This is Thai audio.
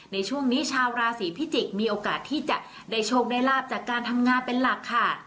ในช่วงนี้ชาวราศีพิจิกษ์มีโอกาสที่จะได้โชคได้ลาบจากการทำงานเป็นหลักค่ะ